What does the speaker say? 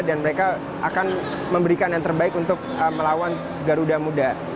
dan mereka akan memberikan yang terbaik untuk melawan garuda muda